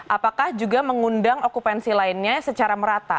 apakah juga mengundang okupansi lainnya secara merata